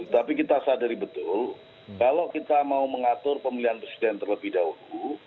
tapi kita sadari betul kalau kita mau mengatur pemilihan presiden terlebih dahulu